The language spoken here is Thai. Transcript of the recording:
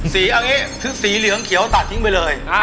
อย่างนี้คือสีเหลืองเขียวตัดทิ้งไปเลย